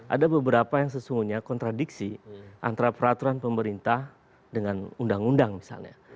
ada beberapa yang sesungguhnya kontradiksi antara peraturan pemerintah dengan undang undang misalnya